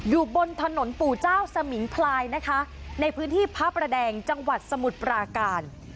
อยู่บนถนนปู่เจ้าสมิงพลายนะคะในพื้นที่พระประแดงจังหวัดสมุทรปราการ